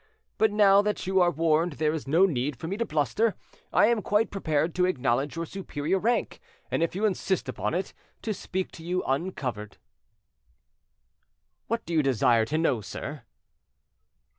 But now that you are warned there is no need for me to bluster. I am quite prepared to acknowledge your superior rank, and if you insist upon it, to speak to you uncovered." "What do you desire to know, sir?"